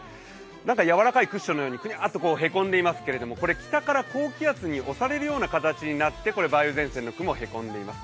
なんかやわらかいクッションのようにふにゃーってへこんでいますけれども、これ、北から高気圧に押されるような形になって梅雨前線の雲がへこんでいます。